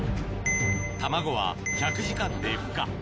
卵は１００時間でふ化